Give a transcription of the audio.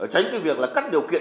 tránh cái việc là cắt điều kiện